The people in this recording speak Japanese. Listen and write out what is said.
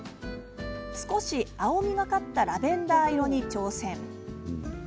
少し青みがかったラベンダー色に挑戦。